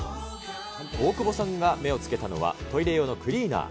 大久保さんが目をつけたのは、トイレ用のクリーナー。